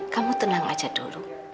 kamu tenang aja dulu